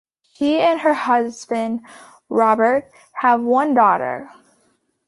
She and her husband, Robert, have one daughter.